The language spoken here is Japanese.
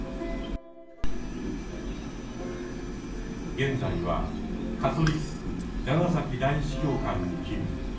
現在はカトリック長崎大司教館に勤務。